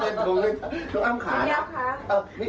ไหนต่อต่อหน่อยเทียบให้แน่มดพอขึ้นได้